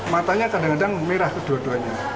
matanya kadang kadang merah kedua duanya